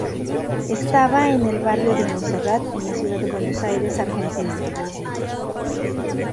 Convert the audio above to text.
Estaba en el barrio de Monserrat, en la ciudad de Buenos Aires, Argentina.